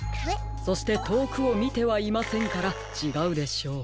そしてとおくをみてはいませんからちがうでしょう。